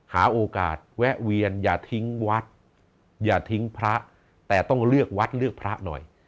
หาโอกาสแวะเวียนอย่าทิ้งวัดอย่าทิ้งพระแต่ต้องเลือกวัดเลือกพระหน่อย